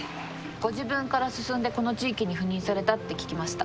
ご自分から進んでこの地域に赴任されたって聞きました。